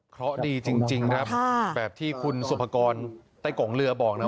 เพราะดีจริงครับแบบที่คุณสุภกรไต้กงเรือบอกนะ